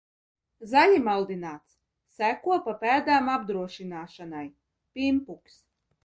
Zaļi maldināts. Seko pa pēdām apdrošināšanai. Pimpuks.